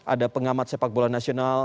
ada pengamat sepakbola nasional